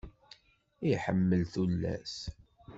Iḥemmel tullas.